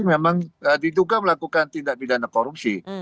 memang diduga melakukan tindak pidana korupsi